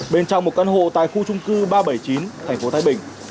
bên trong một căn hộ tại khu trung cư ba trăm bảy mươi chín thành phố thái bình